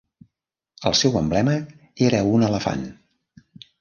El seu emblema era un elefant.